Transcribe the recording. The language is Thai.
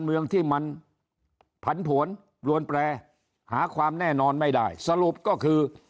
เมืองที่มันผันผวนรวนแปรหาความแน่นอนไม่ได้สรุปก็คือ